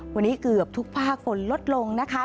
วันนี้เกือบทุกภาคฝนลดลงนะคะ